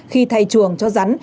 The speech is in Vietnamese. khi thay chuồng cho rắn